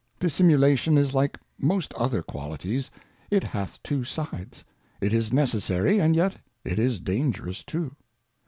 Dissimulation is like most other Qualities, it hath two Sides ; it is necessary, and yet it is dangerous too.